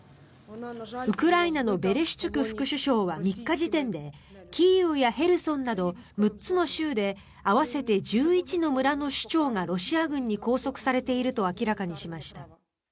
ウクライナのベレシュチュク副首相は３日時点でキーウやヘルソンなど６つの州で合わせて１１の村の首長がロシア軍に拘束されていると明らかにしました。